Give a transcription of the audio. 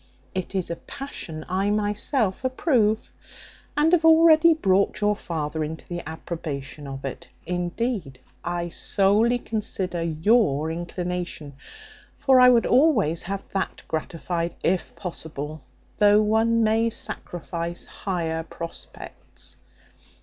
It is a passion I myself approve, and have already brought your father into the approbation of it. Indeed, I solely consider your inclination; for I would always have that gratified, if possible, though one may sacrifice higher prospects.